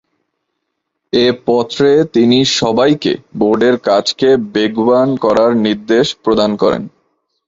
এ পত্রে তিনি সবাইকে বোর্ডের কাজকে বেগবান করার নির্দেশ প্রদান করেন।